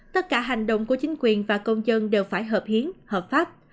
tất cả hành động của chính quyền và công dân đều phải hợp hiến hợp pháp